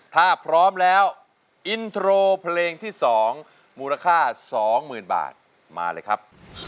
ถ้าพร้อมแล้วอินโทรเพลงที่๒มูลค่า๒๐๐๐บาทมาเลยครับ